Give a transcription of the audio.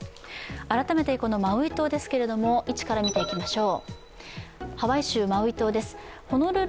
改めてマウイ島ですけれども、位置から見ていきましょう。